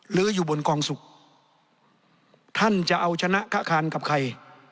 หรืออยู่บนกองศุกร์ท่านจะเอาชนะค้าคานกับใคร